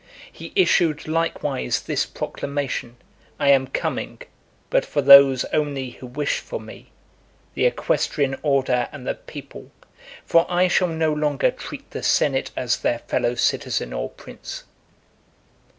He issued likewise this proclamation: "I am coming, but for those only who wish for me, the equestrian order and the people; for I shall no longer treat the senate as their fellow citizen or prince."